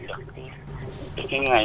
những cái hình ảnh